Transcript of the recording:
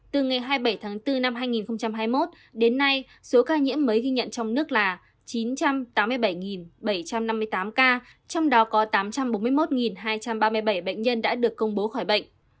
từ ngày hai mươi bảy tháng bốn năm hai nghìn hai mươi một đến nay số ca nhiễm mới ghi nhận trong nước là chín trăm tám mươi bảy bảy trăm năm mươi tám ca trong đó có tám trăm bốn mươi một hai trăm ba mươi bảy bệnh nhân đã được công bố khỏi bệnh